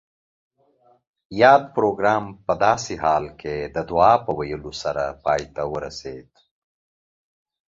یاد پروګرام پۀ داسې حال کې د دعا پۀ ویلو سره پای ته ورسید